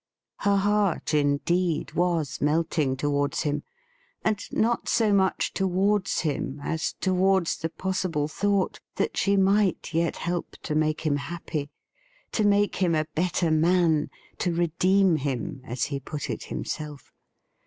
Her heart, indeed, was melting towards him ; and not so much towards him as towards the possible thought that she might yet help to make him happy ; to make him a better man — to redeem him, as he put it himself.